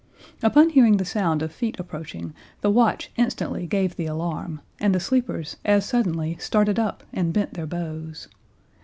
Upon hearing the sound of feet approaching, the watch instantly gave the alarm, and the sleepers as suddenly started up and bent their bows.